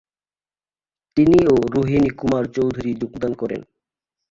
তিনি ও রোহিণী কুমার চৌধুরী যোগদান করেন।